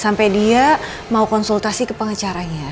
sampai dia mau konsultasi ke pengacaranya